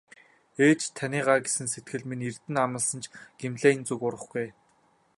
Ээж таныгаа гэсэн сэтгэл минь эрдэнэ амласан ч Гималайн зүг урвахгүй ээ.